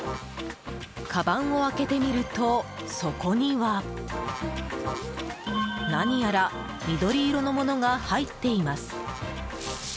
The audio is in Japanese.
かばんを開けてみると、そこには何やら緑色のものが入っています。